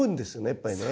やっぱりね。